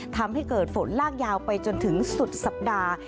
ทำให้เกิดฝนลากยาวไปจนถึงสุดสัปดาห์